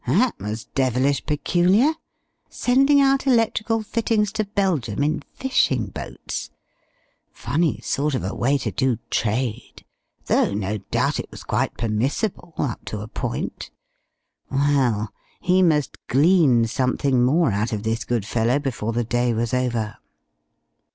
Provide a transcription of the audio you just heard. That was devilish peculiar. Sending out electrical fittings to Belgium in fishing boats! Funny sort of a way to do trade, though no doubt it was quite permissible up to a point. Well, he must glean something more out of this good fellow before the day was over.